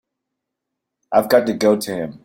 I've got to go to him.